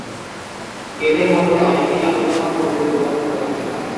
এদের মধ্যে অনেকেই আহত হন ও মৃত্যুবরণ করেন।